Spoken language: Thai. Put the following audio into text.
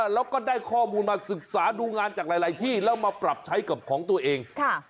แล้วก็ได้ข้อมูลมาศึกษาดูงานจากหลายที่แล้วมาปรับใช้กับของตัวเอง